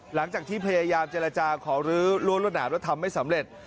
หลังจากที่พยายามเจรจาขอรื้อรั้วรวดหนามแล้วทำไม่สำเร็จ